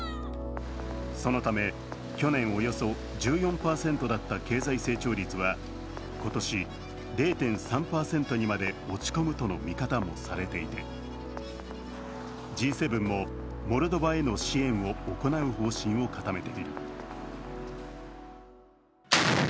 そのため去年およそ１４％だった経済成長率は今年０．３％にまで落ち込むとの見方もされていてＧ７もモルドバへの支援を行う方針を固めている。